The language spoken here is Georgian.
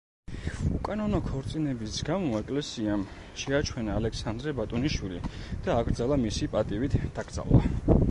უკანონო ქორწინების გამო ეკლესიამ შეაჩვენა ალექსანდრე ბატონიშვილი და აკრძალა მისი პატივით დაკრძალვა.